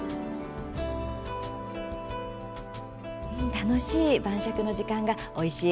楽しい晩酌の時間がおいしい